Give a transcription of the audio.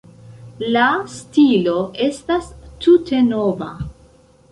La stilo estas tute nova.